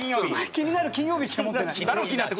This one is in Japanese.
『キニナル金曜日』しか持ってない。